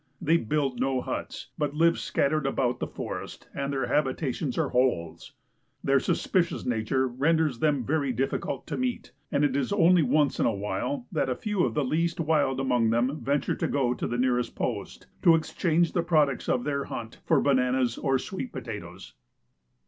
They build no huts, but live scattered about the forest, and their habitations are holes. Their suspicious nature ren ders them vei y difficult to meet, and it is only once in a while that a few of the least wild among them venture to go to the nearest post to ex change the products of their hunt for bananas or sweet potatoes.